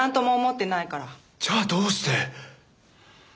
じゃあどうして？